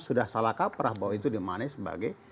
sudah salahkah perah bau itu dimaknai sebagai